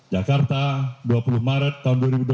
jakarta dua puluh maret tahun dua ribu dua puluh